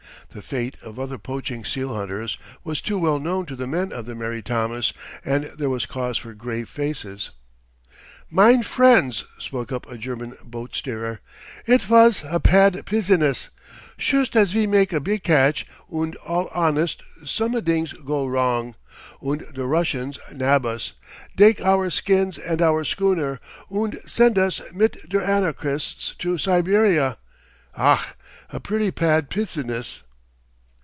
The fate of other poaching seal hunters was too well known to the men of the Mary Thomas, and there was cause for grave faces. "Mine friends," spoke up a German boat steerer, "it vas a pad piziness. Shust as ve make a big catch, und all honest, somedings go wrong, und der Russians nab us, dake our skins and our schooner, und send us mit der anarchists to Siberia. Ach! a pretty pad piziness!"